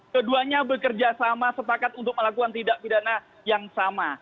keduanya bekerja sama sepakat untuk melakukan tidak pidana yang sama